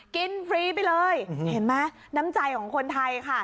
ฟรีไปเลยเห็นไหมน้ำใจของคนไทยค่ะ